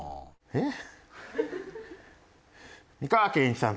えっ？